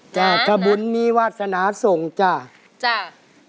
จ้ะถ้าบุญมีวาธนาสงฆ์จ้ะเจ้าอ๋อ